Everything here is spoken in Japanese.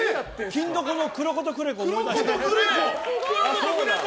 「欽どこ」のクロ子とグレ子を思い出して。